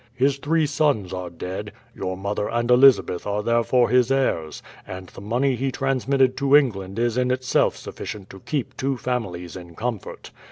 "His three sons are dead; your mother and Elizabeth are therefore his heirs, and the money he transmitted to England is in itself sufficient to keep two families in comfort.